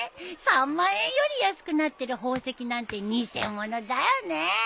３万円より安くなってる宝石なんて偽物だよね。